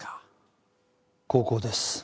高校です。